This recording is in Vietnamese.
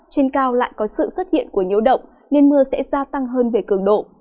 trên cao lại có sự xuất hiện của nhiễu động nên mưa sẽ gia tăng hơn về cường độ